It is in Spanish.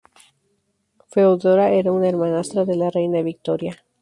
Feodora era una hermanastra de la reina Victoria.